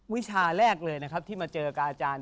วิชาแรกเลยนะครับที่มาเจอกับอาจารย์